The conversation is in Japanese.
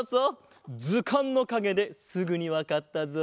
ずかんのかげですぐにわかったぞ。